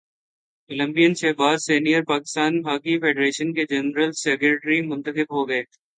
Olympian Shahbaz senior Pakistan hockey federation کے general secretary منتخب ہو گئے